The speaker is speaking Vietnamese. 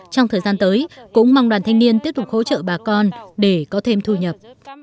trong thời gian tới cũng mong đoàn thanh niên tiếp tục hỗ trợ bà con để có thêm thu nhập